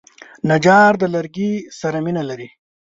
نجار د لرګي سره مینه لري.